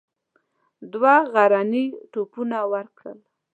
دوه غرني توپونه ورکړل.